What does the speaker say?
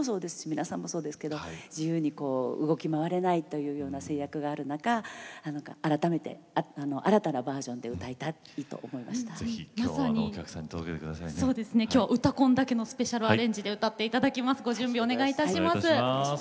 皆さんもそうですけど自由に動き回ることができない制約がある中改めて新たなバージョンで「うたコン」だけのスペシャルアレンジで歌っていただきます。